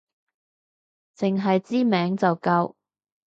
淨係知名就夠